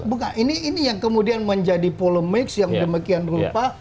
bukan ini yang kemudian menjadi polemik yang demikian rupa